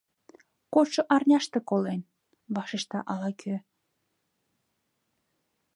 — Кодшо арняште колен, — вашешта ала-кӧ.